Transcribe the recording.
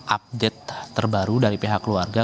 update terbaru dari pihak keluarga